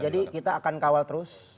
jadi kita akan kawal terus